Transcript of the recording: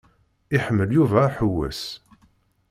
Iḥemmel Yuba aḥewwes.